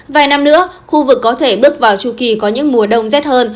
vài năm nữa khu vực có thể bước vào chu kỳ có những mùa đông rét hơn